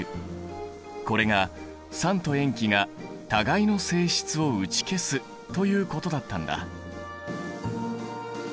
これが酸と塩基が互いの性質を打ち消すということだったんだ。